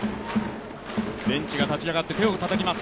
ベンチが立ち上がって手をたたきます。